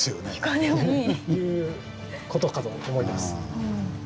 という事かと思います。